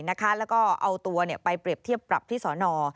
แล้วก็เอาตัวไปเปรียบเทียบปรับที่สอนอ